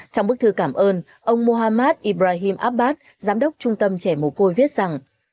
trong bức thư cảm ơn ông mohammad ibrahim abbas giám đốc trung tâm trẻ mồ côi viết rằng